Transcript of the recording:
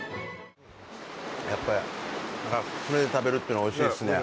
やっぱりあっ船で食べるっていうのはおいしいですね。